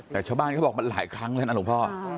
แต่ชาวบ้านเขาบอกมันหลายครั้งแล้วนะหลวงพ่อ